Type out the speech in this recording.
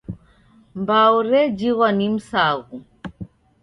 Mbau rejighwa ni msaghu